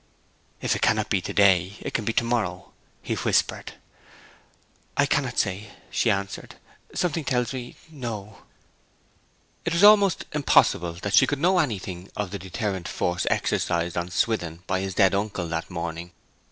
'If it cannot be to day, it can be to morrow,' he whispered. 'I cannot say,' she answered. 'Something tells me no.' It was almost impossible that she could know anything of the deterrent force exercised on Swithin by his dead uncle that morning.